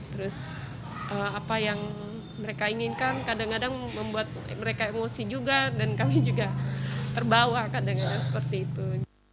terus apa yang mereka inginkan kadang kadang membuat mereka emosi juga dan kami juga terbawa kadang kadang seperti itu